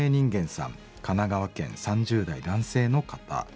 神奈川県３０代男性の方。